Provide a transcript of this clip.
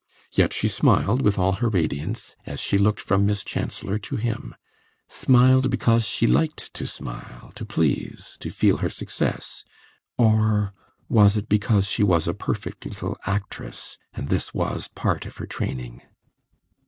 Yet she smiled with all her radiance, as she looked from Miss Chancellor to him; smiled because she liked to smile, to please, to feel her success or was it because she was a perfect little actress, and this was part of her training?